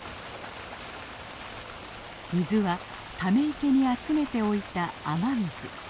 水はため池に集めておいた雨水。